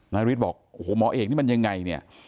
นาริสบอกโอ้โหหมอเอกนี่มันยังไงเนี่ย